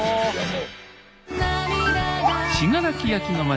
信楽焼の町